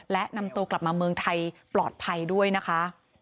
และนำตัวกลับมาเมืองไทยปลอดภัยด้วยนะคะ